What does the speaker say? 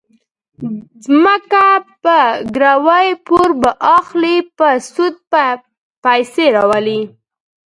ځمکه به ګروي، پور به اخلي، په سود به پیسې راولي.